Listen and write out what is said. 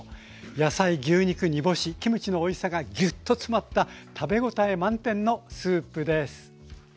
野菜牛肉煮干しキムチのおいしさがぎゅっと詰まった食べ応え満点のスープです。